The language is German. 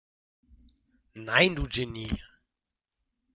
Nein, du Genie!